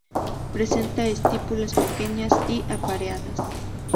Presenta estípulas pequeñas y apareadas.